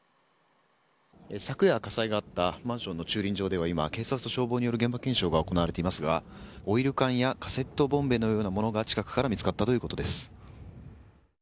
昨夜、火災があったマンションの駐輪場では今、警察と消防による現場検証が行われていますがオイル缶やカセットボンベのようなものが近くから見つかったということです。